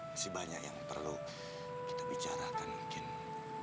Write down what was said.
masih banyak yang perlu kita bicarakan mungkin